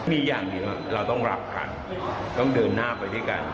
มีอย่างหนึ่งเราต้องรักกันต้องเดินหน้าไปด้วยกัน